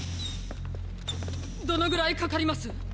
どのぐらいかかります